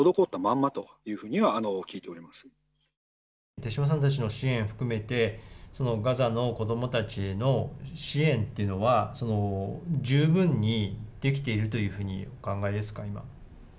手島さんたちの支援を含めて、ガザの子どもたちへの支援は十分にできているという風にお考えですか。